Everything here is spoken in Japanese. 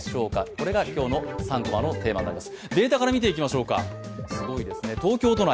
これが今日の３コマのテーマです。